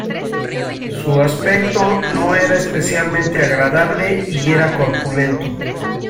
Su aspecto no era especialmente agradable y era corpulento.